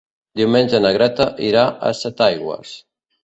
Diumenge na Greta irà a Setaigües.